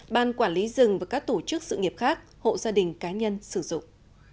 ban quản lý rừng và các tổ chức sự nghiệp khác hộ gia đình cá nhân sử dụng